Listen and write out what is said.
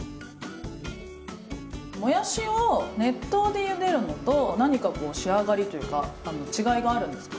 もやしを熱湯でゆでるのと何かこう仕上がりというか違いがあるんですか？